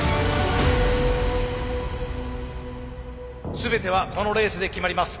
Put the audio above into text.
全てはこのレースで決まります。